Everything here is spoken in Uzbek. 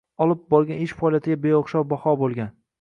Olib borgan ish faoliyatiga beoʻxshov baho boʻlgan